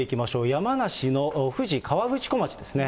山梨の富士河口湖町ですね。